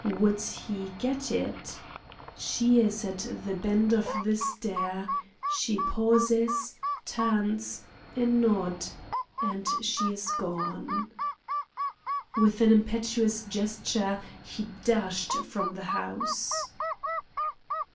Would he get it? She is at the bend of the stair; she pauses turns, a nod, and she is gone. With an impetuous gesture, he dashed from the house.